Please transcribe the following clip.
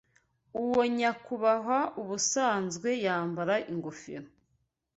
Uwo nyakubahwa ubusanzwe yambara ingofero.